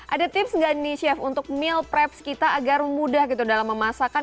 ada tips nggak nih chef untuk meal preps kita agar mudah gitu dalam memasakkan